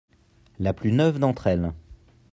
La plus neuve d'entre elles.